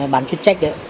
bán chuyên trách đấy